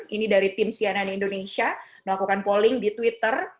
ini dari tim cnn indonesia melakukan polling di twitter